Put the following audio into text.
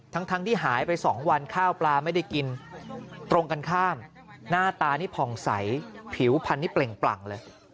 ทั้งที่หายไป๒วันข้าวปลาไม่ได้กินตรงกันข้ามหน้าตานี่ผ่องใสผิวพันนี่เปล่งปลั่งเลย